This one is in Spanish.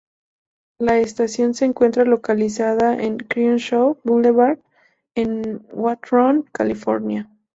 La estación se encuentra localizada en Crenshaw Boulevard en Hawthorne, California.